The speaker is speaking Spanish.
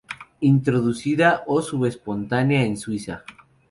Introducida o sub-espontánea en Suiza.